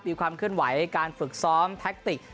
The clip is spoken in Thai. มีความเคลื่อนไหวการฝึกซ้อมแท็กติก